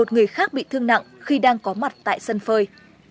một mươi một người khác bị thương nặng khi đang có mặt tại sân phơi